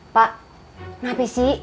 pak kenapa sih